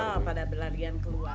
oh pada berlarian keluar